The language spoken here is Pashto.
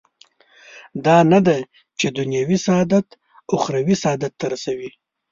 دا نه ده چې دنیوي سعادت اخروي سعادت ته رسوي.